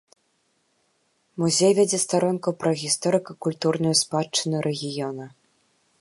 Музей вядзе старонку пра гісторыка-культурную спадчыну рэгіёна.